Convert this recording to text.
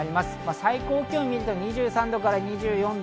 最高気温を見ると２３度から２４度。